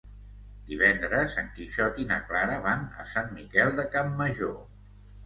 Divendres en Quixot i na Clara van a Sant Miquel de Campmajor.